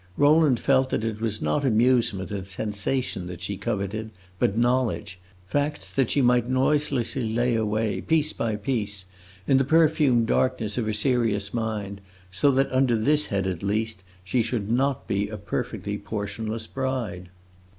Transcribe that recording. Rowland felt that it was not amusement and sensation that she coveted, but knowledge facts that she might noiselessly lay away, piece by piece, in the perfumed darkness of her serious mind, so that, under this head at least, she should not be a perfectly portionless bride.